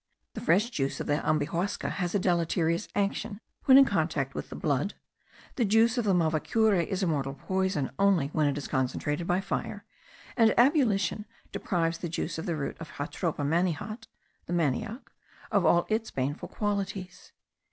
The fresh juice of the ambihuasca has a deleterious action when in contact with the blood; the juice of the mavacure is a mortal poison only when it is concentrated by fire; and ebullition deprives the juice of the root of Jatropha manihot (the manioc) of all its baneful qualities.